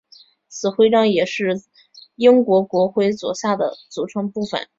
此徽章也是英国国徽左下的组成部分。